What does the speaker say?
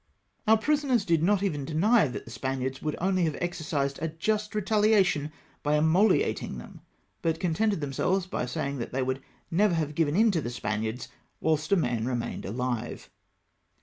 Our prisoners did not even deny that the Spaniards would only have exercised a just retahation by immolating them, but contented themselves by saying that they would never have given in to the Spaniards whilst a m m remained ahve.